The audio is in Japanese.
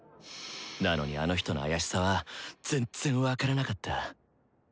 なのにあの人の怪しさは全然分からなかった。